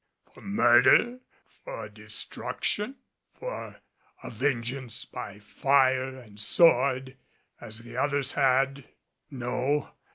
For murder? for destruction? for a vengeance by fire and sword, as the others had? No.